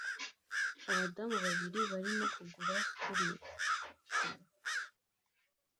Abadamu babiri barimo kugura kuri